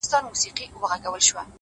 پریزاده! بس په پونده تاوېدل دي